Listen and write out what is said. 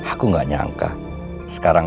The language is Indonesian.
aku gak nyangka sekarang